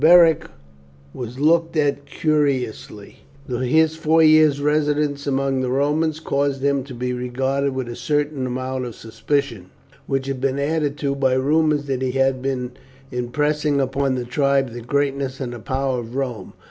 Beric was looked at curiously. His four years' residence among the Romans caused him to be regarded with a certain amount of suspicion, which had been added to by rumours that he had been impressing upon the tribe the greatness and power of Rome.